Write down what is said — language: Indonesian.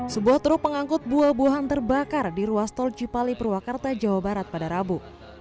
sebuah truk pengangkut buah buahan terbakar di ruas tol cipali purwakarta jawa barat pada rabu